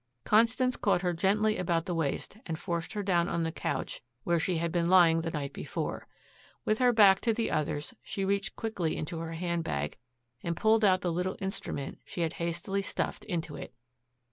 Constance caught her gently about the waist and forced her down on the couch where she had been lying the night before. With her back to the others, she reached quickly into her hand bag and pulled out the little instrument she had hastily stuffed into it.